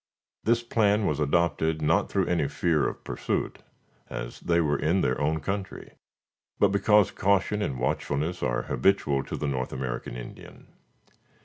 This plan was adopted, not through any fear of pursuit, as they were in their own country, but because caution and watchfulness are habitual to the North American Indian.